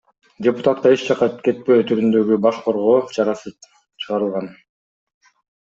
Депутатка эч жакка кетпөө түрүндөгү баш коргоо чарасы чыгарылган.